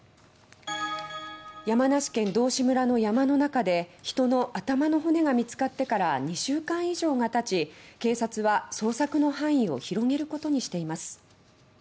山梨県道志村の山の中で人の頭の骨が見つかってから２週間以上が経ち警察は捜索の範囲を広げることにしています。